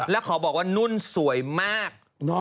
แล้วขอบอกว่านุ่นสวยมาก